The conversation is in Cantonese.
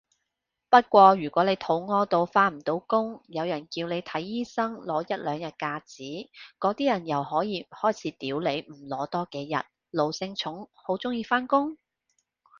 不過如果你肚痾到返唔到工，有人叫你睇醫生攞一兩日假紙，嗰啲人又可以開始屌你唔攞多幾日，奴性重好鍾意返工？